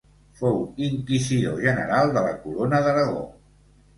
Fou Inquisidor general de la Corona d'Aragó.